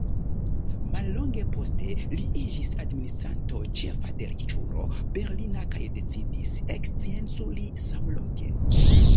Mallonge poste li iĝis administranto ĉefa de riĉulo berlina kaj decidis ekscienculi samloke.